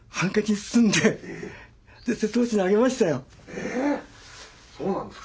えそうなんですか。